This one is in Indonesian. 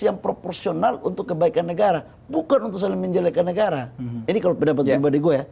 yang proporsional untuk kebaikan negara bukan untuk saling menjelekkan negara ini kalau pendapatnya